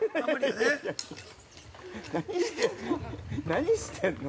◆何してんの。